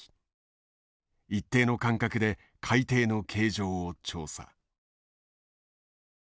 一定の間隔で海底の形状を調査。